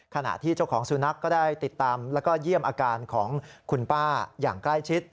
ขณะที่เจ้าของสุนัขก็ได้ติดตามแล้วก็เยี่ยมอาการของคุณป้าอย่างใกล้ชิด